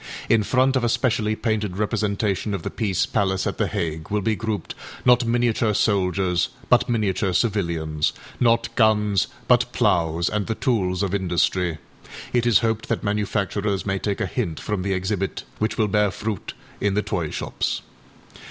â In front of a specially painted representation of the Peace Palace at The Hague will be grouped, not miniature soldiers but miniature civilians, not guns but ploughs and the tools of industry ... It is hoped that manufacturers may take a hint from the exhibit, which will bear fruit in the toy shops.